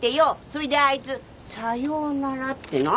そいであいつ「さようなら」ってな。